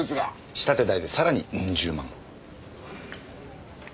仕立て代でさらにウン十万。